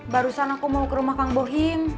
barusan aku mau ke rumah kang bohim